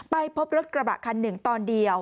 ไปพบรถกระบะคันหนึ่งตอนเดียว